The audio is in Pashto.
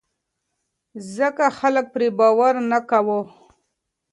ځکه خلک پرې باور نه کاوه.